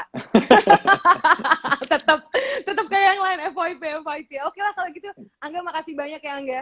hahaha tetap kayak yang lain fyp myp oke lah kalau gitu angga makasih banyak ya angga